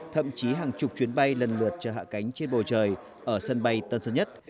thậm chí hàng chục chuyến bay lần lượt chở hạ cánh trên bầu trời ở sân bay tân sơn nhất